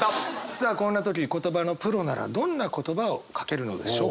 さあこんな時言葉のプロならどんな言葉をかけるのでしょうか？